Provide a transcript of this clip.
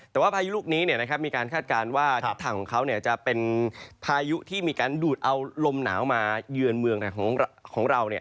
แต่ว่าพายุลูกนี้มีการคาดการณ์ว่าทิศทางของเขาจะเป็นพายุที่มีการดูดเอาลมหนาวมาเยือนเมืองของเรา